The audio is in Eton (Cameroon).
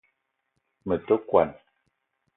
Me te kwuan